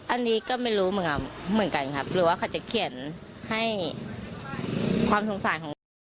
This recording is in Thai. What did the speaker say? อันนี้ก็ไม่รู้เหมือนกันครับหรือว่าเขาจะเขียนให้ความสงสารของ